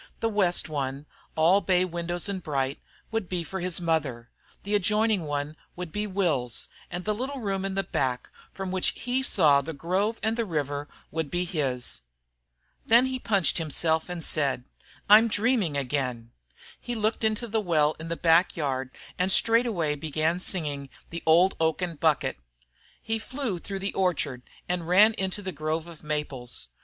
The west one, all bay windows and bright, would be for his mother; the adjoining one would be Will's, and a little room in the back, from which he saw the grove and the river, would be his. Then he punched himself and said, "I'm dreaming again." He looked into the well in the backyard and straightway began singing "The Old Oaken Bucket." He flew through the orchard and ran into the grove of maples.